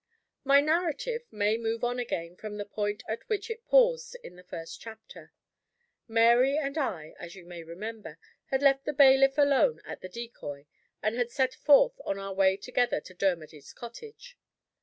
MY narrative may move on again from the point at which it paused in the first chapter. Mary and I (as you may remember) had left the bailiff alone at the decoy, and had set forth on our way together to Dermody's cottage.